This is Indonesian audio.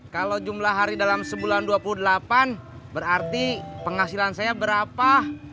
kalau jumlah hari dalam sebulan dua puluh delapan berarti penghasilan saya berapa